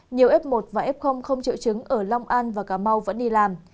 nhiều f một và f không triệu chứng ở long an và cà mau vẫn đi làm